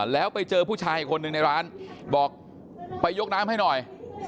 แล้วไปเจอผู้ชายอีกคนหนึ่งในร้านบอกไปยกน้ำให้หน่อย